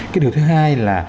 cái điều thứ hai là